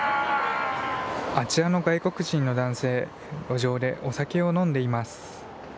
あちらの外国人の男性路上でお酒を飲んでいます。